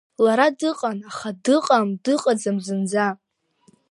Лара дыҟан, аха дыҟам, дыҟаӡам зынӡа!